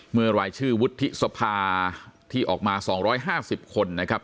รายชื่อวุฒิสภาที่ออกมา๒๕๐คนนะครับ